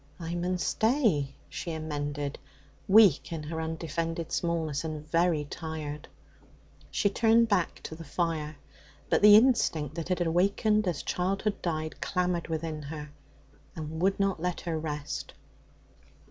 'I mun stay,' she amended, weak in her undefended smallness, and very tired. She turned back to the fire. But the instinct that had awakened as childhood died clamoured within her and would not let her rest.